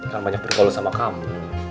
kalau banyak bergolos sama kamu